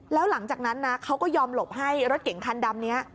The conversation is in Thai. แล้วหลังจากนั้นนะเขาก็ยอมหลบให้รถเก่งคันดำนี้